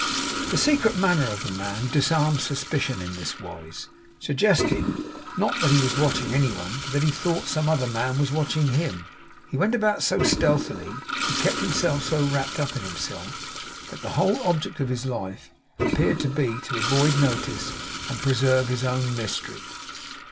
The secret manner of the man disarmed suspicion in this wise; suggesting, not that he was watching any one, but that he thought some other man was watching him. He went about so stealthily, and kept himself so wrapped up in himself, that the whole object of his life appeared to be, to avoid notice and preserve his own mystery.